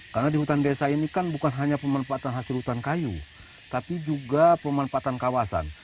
karena di hutan desa ini kan bukan hanya pemanfaatan hasil hutan kayu tapi juga pemanfaatan kawasan